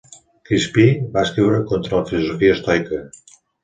Crispí va escriure contra la filosofia estoica.